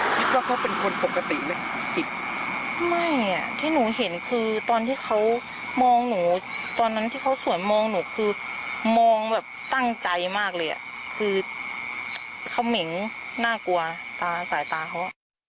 เขามีหน้ากลัวสายตาขอมีความรู้